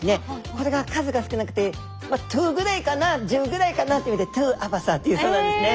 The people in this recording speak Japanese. これが数が少なくて「まあ１０ぐらいかな１０ぐらいかな」といわれてトゥアバサーというそうなんですね。